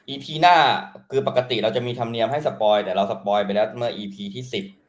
พีหน้าคือปกติเราจะมีธรรมเนียมให้สปอยแต่เราสปอยไปแล้วเมื่ออีพีที่สิบ